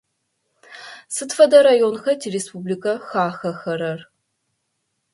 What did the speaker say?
Сыд фэдэ районха тиреспубликэ хахьэхэрэр?